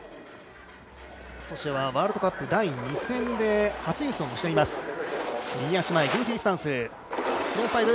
今年はワールドカップ第２戦で初優勝もしています。